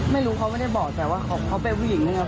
ไม่รู้เขาไม่ได้บอกแต่ว่าเขาเป็นผู้หญิงนึง